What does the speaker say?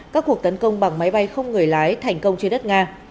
các cuộc tấn công bằng máy bay không người lái thành công trên đất nga